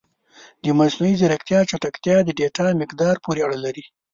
د مصنوعي ځیرکتیا چټکتیا د ډیټا مقدار پورې اړه لري.